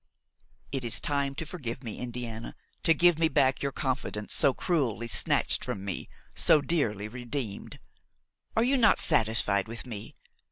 "It is time to forgive me, Indiana, to give me back your confidence, so cruelly snatched from me, so dearly redeemed. Are you not satisfied with me?